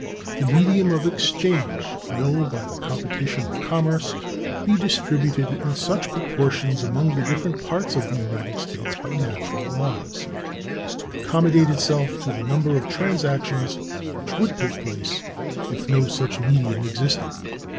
The medium of exchange will, by the competition of commerce, be distributed in such proportions among the different parts of the United States, by natural laws, as to accommodate itself to the number of transactions which would take place if no such medium existed.